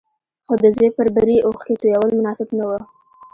خو د زوی پر بري اوښکې تويول مناسب نه وو.